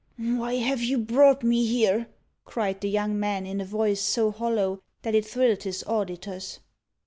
"Why have you brought me here?" cried the young man, in a voice so hollow that it thrilled his auditors.